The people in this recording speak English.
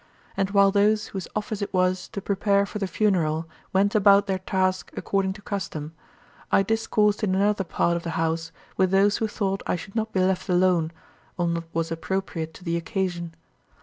And while those whose office it was to prepare for the funeral went about their task according to custom, I discoursed in another part of the house, with those who thought I should not be left alone, on what was appropriate to the occasion.